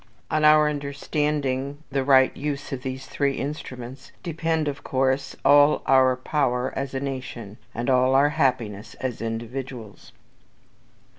On our understanding the right use of these three instruments, depend, of course, all our power as a nation, and all our happiness as individuals.